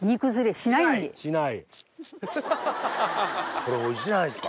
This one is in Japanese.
これおいしないですか？